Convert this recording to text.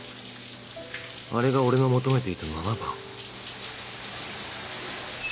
あれが俺の求めていた『７番』？